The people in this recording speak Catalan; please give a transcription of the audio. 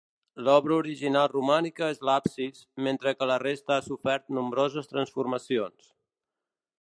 L'obra original romànica és l'absis, mentre que la resta ha sofert nombroses transformacions.